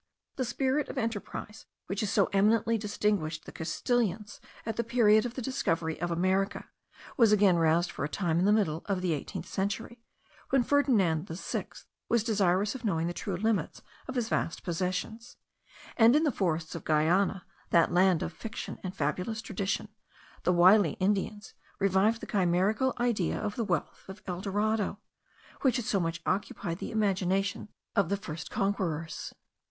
The spirit of enterprise which had so eminently distinguished the Castilians at the period of the discovery of America, was again roused for a time in the middle of the eighteenth century, when Ferdinand VI was desirous of knowing the true limits of his vast possessions; and in the forests of Guiana, that land of fiction and fabulous tradition, the wily Indians revived the chimerical idea of the wealth of El Dorado, which had so much occupied the imagination of the first conquerors.